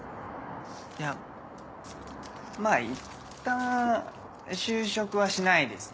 いやまぁいったん就職はしないですね。